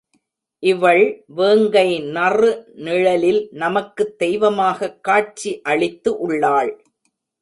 இவள் வேங்கை நறுநிழலில் நமக்குத் தெய்வமாகக் காட்சி அளித்து உள்ளாள்.